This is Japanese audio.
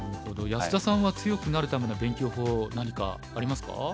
安田さんは強くなるための勉強法何かありますか？